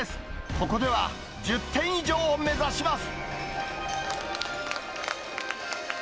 ここでは１０点以上を目指します。